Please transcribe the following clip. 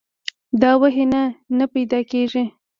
یا وحي نه نۀ پېدا کيږي